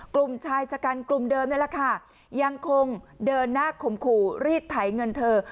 กลุ่มชายชะกันกลุ่มเดิมนี่แหละค่ะยังคงเดินหน้าข่มขู่รีดไถเงินเธอ